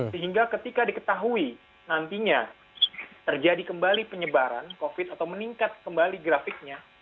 sehingga ketika diketahui nantinya terjadi kembali penyebaran covid atau meningkat kembali grafiknya